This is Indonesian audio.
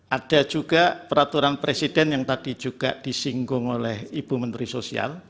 ada juga peraturan presiden yang tadi juga disinggung oleh ibu menteri sosial